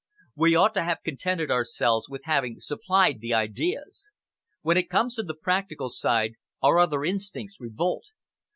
We ought to have contented ourselves with having supplied the ideas. When it comes to the practical side, our other instincts revolt.